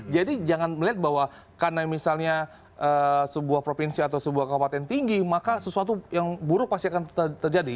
jadi jangan melihat bahwa karena misalnya sebuah provinsi atau sebuah kabupaten tinggi maka sesuatu yang buruk pasti akan terjadi